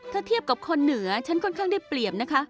ถ้าเทียบกับคนเหนือฉันค่อนข้างได้เปรียบนะคะ